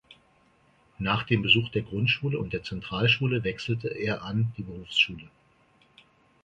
Nach dem Besuch der Grundschule und der Zentralschule wechselte er an die Berufsschule.